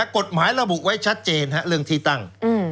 กฎหมายระบุไว้ชัดเจนเรื่องที่ตั้ง